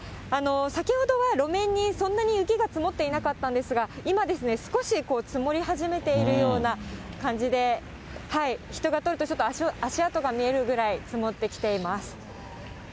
先ほどは路面にそんなに雪が積もっていなかったんですが、今ですね、少し積もり始めてるような感じで、人が通るとちょっと足跡が見えるぐらい積もってきています。